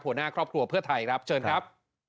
หัวหน้าครอบครัวเพื่อไทยครับเชิญครับ